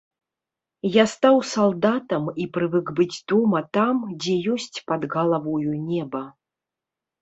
Я стаў салдатам і прывык быць дома там, дзе ёсць пад галавою неба.